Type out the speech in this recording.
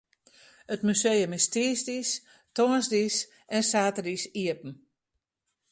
It museum is tiisdeis, tongersdeis en saterdeis iepen.